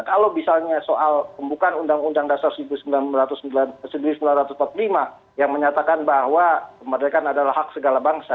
kalau misalnya soal pembukaan undang undang dasar seribu sembilan ratus empat puluh lima yang menyatakan bahwa kemerdekaan adalah hak segala bangsa